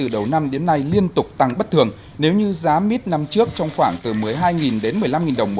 đầu năm đến nay liên tục tăng bất thường nếu như giá bít năm trước trong khoảng một mươi hai một mươi năm đồng